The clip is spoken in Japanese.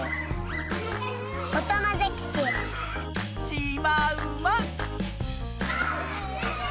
しまうま。